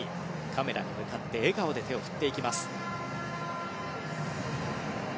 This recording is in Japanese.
カメラに向かって笑顔で手を振っていきます。